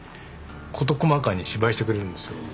事細かに芝居してくれるんですよ。